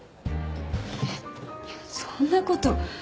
えっいやそんなこと。